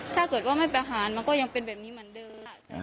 ถ้าเกิดว่าไม่ประหารมันก็ยังเป็นแบบนี้เหมือนเดิม